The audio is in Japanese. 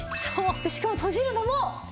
しかも閉じるのも。